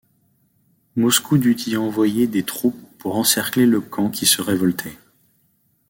Moscou dut y envoyer des troupes pour encercler le camp qui se révoltait.